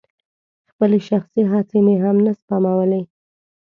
خپلې شخصي هڅې مې هم نه سپمولې.